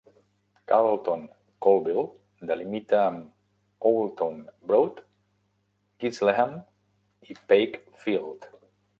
Carlton Colville delimita amb Oulton Broad, Gisleham i Pakefield.